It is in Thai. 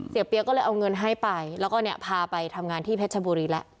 เปี๊ยกก็เลยเอาเงินให้ไปแล้วก็เนี่ยพาไปทำงานที่เพชรชบุรีแล้ว